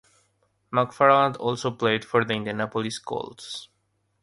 McFarland also played for the Indianapolis Colts.